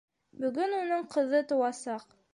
Бөгөн уның ҡыҙы тыуасаҡ!